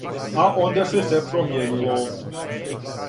А онда се све промијенило.